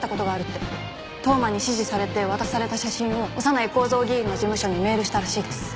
当麻に指示されて渡された写真を小山内幸三議員の事務所にメールしたらしいです。